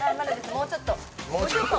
もうちょっと。